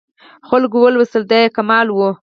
خلکو ولوستلې دا یې کمال و.